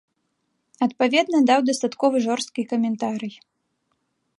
Адпаведна, даў дастаткова жорсткі каментарый.